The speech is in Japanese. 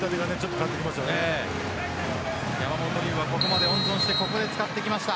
山本龍をここまで温存してここで使ってきました。